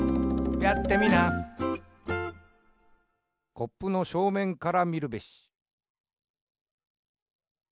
「コップのしょうめんからみるべし。」